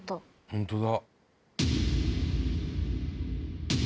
本当だ。